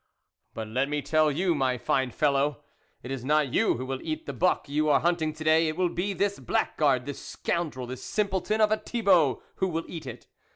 But let me tell you, my fine fellow, it is not you who will eat the buck you are hunting to day ; it will bo this blackguard, this scoundrel, this simpleton of a Thibault who will eat it.